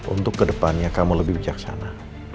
untuk kedepannya kamu lebih bijaksana